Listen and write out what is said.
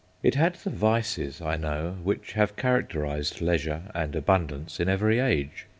It had the vices, I know, which have characterised leisure and abundance in every age.